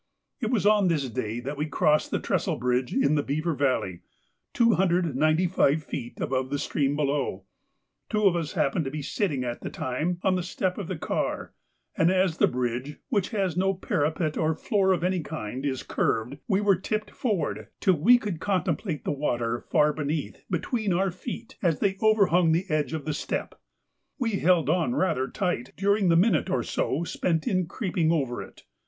It was on this day that we crossed the trestle bridge in the Beaver Valley, 295 feet above the stream below; two of us happened to be sitting at the time on the step of the car, and as the bridge, which has no parapet or floor of any kind, is curved, we were tipped forward till we could contemplate the water far beneath between our feet as they overhung the edge of the step. We held on rather tight during the minute or so spent in creeping over it.